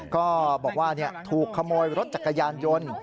ก็บอกว่าถูกขโมยรถจักรยานยนต์